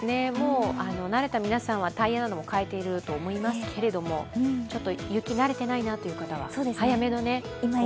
慣れた皆さんはタイヤなども換えていると思いますけど、ちょっと雪、慣れてないなという方は早めの交換を。